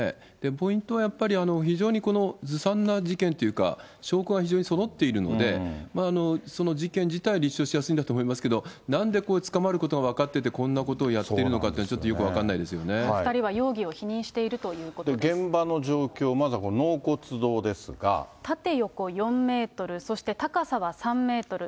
ポイントはやっぱり、非常にずさんな事件っていうか、証拠が非常にそろっているので、その事件自体、立証しやすいんだと思いますが、なんでこう、捕まることが分かってて、こんなことをやってるのかっていうのは、ちょっとよく分かんない２人は容疑を否認していると現場の状況、まずはこの納骨縦横４メートル、そして高さは３メートル。